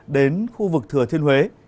đến khu vực thừa thiên huế